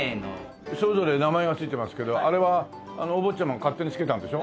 それぞれ名前がついてますけどあれはお坊ちゃまが勝手につけたんでしょ？